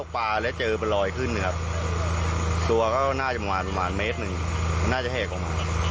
วันแรกอาบแดดโชว์